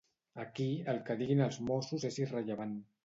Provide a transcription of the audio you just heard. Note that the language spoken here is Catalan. Aquí, el que diguin els Mossos és irrellevant.